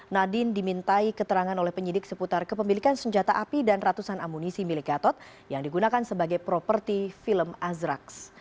nadine dimintai keterangan oleh penyidik seputar kepemilikan senjata api dan ratusan amunisi milik gatot yang digunakan sebagai properti film azrax